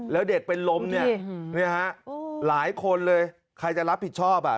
แล้วเด็กเป็นลมเนี่ยฮะหลายคนเลยใครจะรับผิดชอบอ่ะ